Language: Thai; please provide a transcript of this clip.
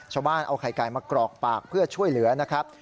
ชาวบ้านเอาไข่ไก่มากรอกปากเพื่อช่วยเหลือนะครับ